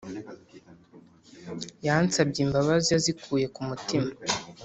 Yansabye imbabazi azikuye kumutima